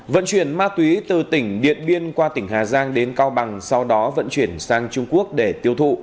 vận chuyển ma túy từ tỉnh điện biên qua tỉnh hà giang đến cao bằng sau đó vận chuyển sang trung quốc để tiêu thụ